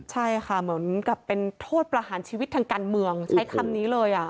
ใช่ค่ะเหมือนกับเป็นโทษประหารชีวิตทางการเมืองใช้คำนี้เลย